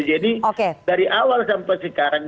jadi dari awal sampai sekarang